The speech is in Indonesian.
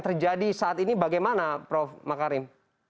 terima kasih pak makarim